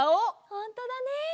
ほんとだね！